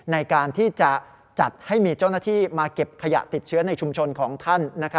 ในการที่จะจัดให้มีเจ้าหน้าที่มาเก็บขยะติดเชื้อในชุมชนของท่าน